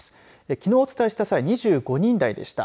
きのうお伝えした際は２５人台でした。